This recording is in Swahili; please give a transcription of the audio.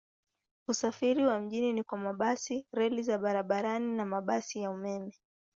Usafiri wa mjini ni kwa mabasi, reli za barabarani na mabasi ya umeme.